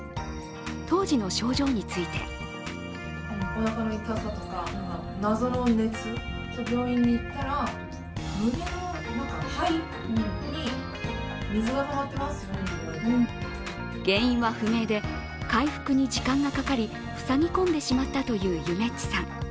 当時の症状について原因は不明で回復に時間がかかり、ふさぎ込んでしまったというゆめっちさん。